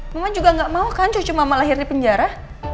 mama juga gak mau kan cuma lahir di penjara